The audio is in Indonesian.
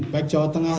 baik jawa tengah